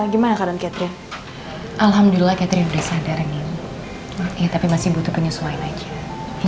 gimana kalian catherine alhamdulillah catherine bersadar ngilang ya tapi masih butuh penyesuaian aja